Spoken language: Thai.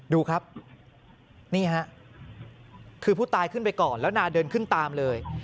ดูครับนี่ฮะคือผู้ตายขึ้นไปก่อนแล้วนาเดินขึ้นตามเลย